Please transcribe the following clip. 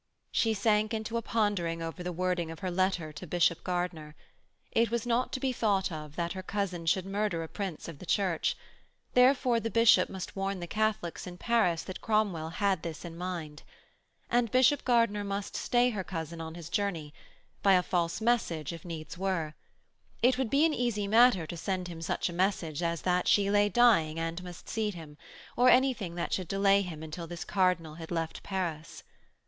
She sank into a pondering over the wording of her letter to Bishop Gardiner. It was not to be thought of that her cousin should murder a Prince of the Church; therefore the bishop must warn the Catholics in Paris that Cromwell had this in mind. And Bishop Gardiner must stay her cousin on his journey: by a false message if needs were. It would be an easy matter to send him such a message as that she lay dying and must see him, or anything that should delay him until this cardinal had left Paris.